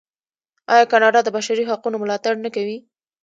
آیا کاناډا د بشري حقونو ملاتړ نه کوي؟